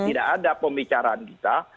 tidak ada pembicaraan kita